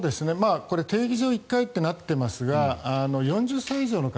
定義上１回以上となっていますが４０歳以上の方